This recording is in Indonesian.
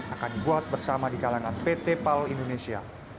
akan dibuat bersama di kalangan pt pal indonesia